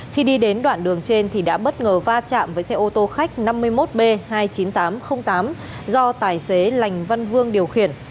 khi đi đến đoạn đường trên thì đã bất ngờ va chạm với xe ô tô khách năm mươi một b hai mươi chín nghìn tám trăm linh tám do tài xế lành văn vương điều khiển